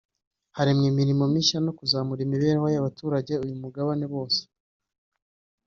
haremwa imirimo mishya no kuzamura imibereho y’abatuye uyu mugabane bose